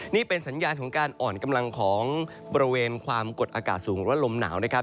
นี่เป็นสัญญาณของการอ่อนกำลังของบริเวณความกดอากาศสูงหรือว่าลมหนาวนะครับ